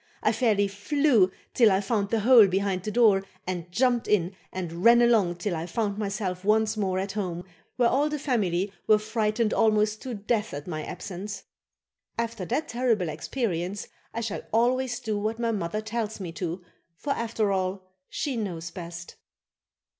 I fairly flew till I found the hole behind the door and jumped in and ran along till I found myself once more at home, where all the family were frightened almost to death at my absence. After that terrible experience I shall always do what my mother tells me to, for after all, she knows best.